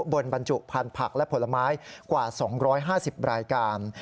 บรรจุพันธุ์ผักและผลไม้กว่า๒๕๐รายการ